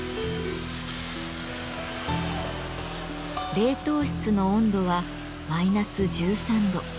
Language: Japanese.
冷凍室の温度はマイナス１３度。